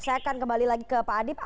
saya akan kembali lagi ke pak adip